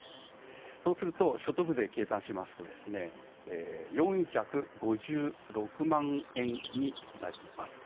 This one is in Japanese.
所得税を計算しますと４５６万円になります。